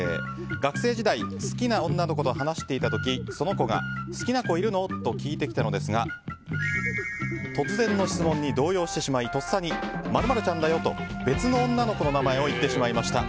学生時代好きな女の子と話していた時その子が好きな子いるの？と聞いてきたのですが突然の質問に動揺してしまいとっさに○○ちゃんだよと別の女の子の名前を言ってしまいました。